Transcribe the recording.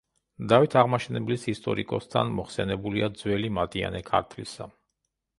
დავით აღმაშენებლის ისტორიკოსთან მოხსენიებულია „ძველი მატიანე ქართლისა“.